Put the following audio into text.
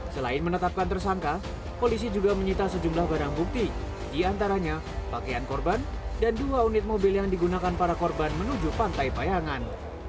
selain menetapkan tersangka polisi juga menyita sejumlah barang bukti diantaranya pakaian korban dan dua unit mobil yang digunakan para korban menuju pantai payangan